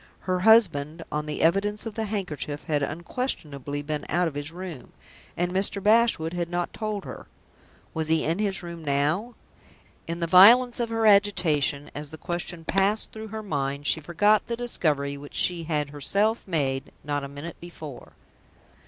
Her husband, on the evidence of the handkerchief had unquestionably been out of his room and Mr. Bashwood had not told her. Was he in his room now? In the violence of her agitation, as the question passed through her mind, she forgot the discovery which she had herself made not a minute before.